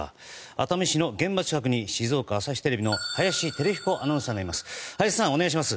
熱海市の現場近くに静岡朝日テレビの林輝彦アナウンサーがいます。